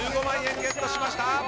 １５万円ゲットしました。